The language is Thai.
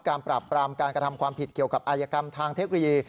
ปราบปรามการกระทำความผิดเกี่ยวกับอายกรรมทางเทคโนโลยี